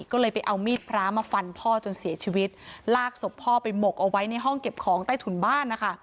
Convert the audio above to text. ก็เลยไปเอามีดพระมาฟันพ่อจนเสียชีวิตลากศพพ่อไปหมกเอาไว้ในห้องเก็บของใต้ถุนบ้านนะคะ